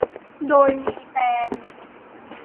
โดยมีแฟน